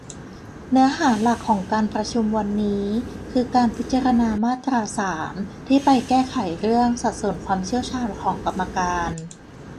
เนื้อหาหลักของการประชุมวันนี้ คือการพิจารณามาตรา สาม ที่ไปแก้ไขเรื่อง สัดส่วนความเชี่ยวชาญของกรรมการ